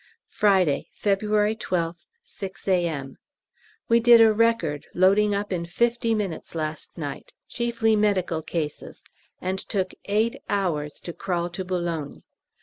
Friday, February 12th, 6 A.M. We did a record loading up in fifty minutes last night, chiefly medical cases, and took eight hours to crawl to Boulogne.